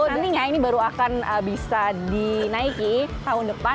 nantinya ini baru akan bisa dinaiki tahun depan